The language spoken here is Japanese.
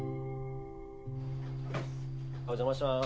お邪魔します。